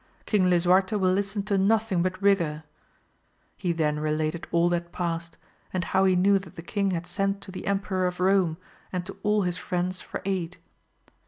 King Lisuarte will listen to nothing but rigour. He then related all that past and how he knew that the king had sent to the Em AMADIS OF GAUL. 133 peror of Eome and to all his friends for aid.